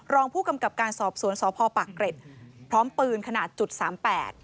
รองผู้กำกับการสอบสวนสพปากเกร็ดพร้อมปืนขนาดจุดสามแปด